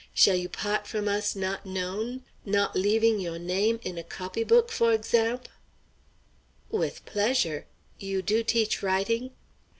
Shall you paht f'om us not known not leaving yo' name in a copy book, for examp'?" "With pleasure. You do teach writing?"